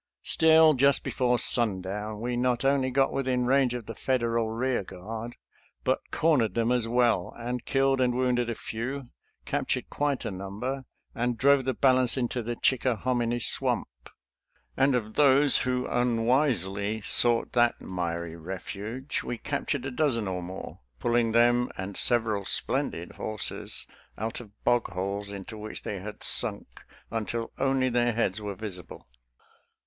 Still, just before sundown, we not only got within range of the Federal rear guard, but cornered them as well, and killed and wounded a few, captured quite a number, and drove the balance into the Chickahominy Swamp; and of those who unwisely sought that miry refuge we captured a dozen or more, pull ing them and several splendid horses out of bog holes into which they had sunk until only their heads were visible.